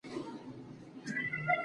د مېلو پر مهال ماشومان رنګارنګ بازۍ کوي.